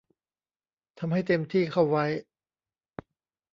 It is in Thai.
ทำให้เต็มที่เข้าไว้